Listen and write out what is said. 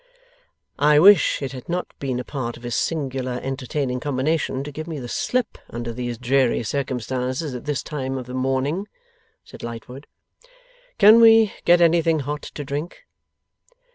'I wish it had not been a part of his singular entertaining combination to give me the slip under these dreary circumstances at this time of the morning,' said Lightwood. 'Can we get anything hot to drink?